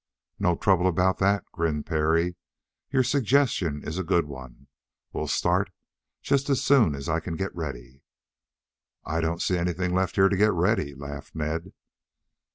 "No trouble about that," grinned Parry. "Your suggestion is a good one. We'll start just as soon as I can get ready." "I don't see anything left here to get ready," laughed Ned.